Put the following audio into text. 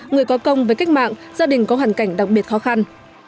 người có công với cách mạng gia đình có hoàn cảnh đặc biệt khó khăn